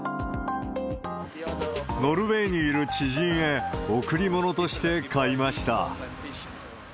ノルウェーにいる知人へ贈り物として買いました。